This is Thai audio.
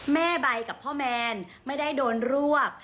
แม่ใบกับพ่อแมนไม่ได้โดนรวบ